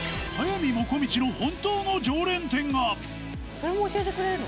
それも教えてくれるの？